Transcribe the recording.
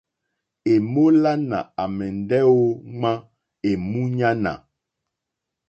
Èmólánà àmɛ́ndɛ́ ō ŋwá èmúɲánà.